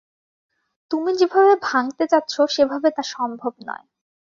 তুমি যেভাবে ভাঙতে চাচ্ছ সেভাবে তা সম্ভব নয়।